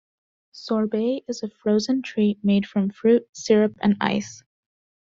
Sorbet is a frozen treat made from fruit, syrup and ice.